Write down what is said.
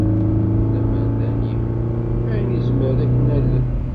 Lemmer dani, ad nezmer ad k-nalel.